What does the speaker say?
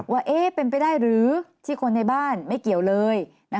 ว่าเป็นไปได้หรือที่คนในบ้านไม่เกี่ยวเลย